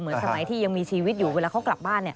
เหมือนสมัยที่ยังมีชีวิตอยู่เวลาเขากลับบ้าน